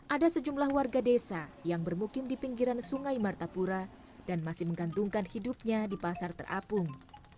ada sejumlah warga desa yang bermukim di pinggiran sungai martapura dan masih menggantungkan hidupnya di pasar terapung